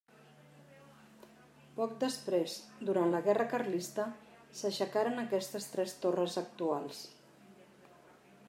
Poc després, durant la Guerra carlista s'aixecaren aquestes tres torres actuals.